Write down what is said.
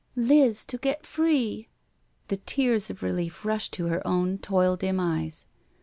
" Liz to get free I '^ The tears of relief rushed to her own toil dim eyes.